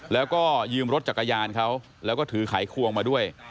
แล้วก็ยืมรถจักรยานเขาแล้วก็ถือไขควงมาด้วย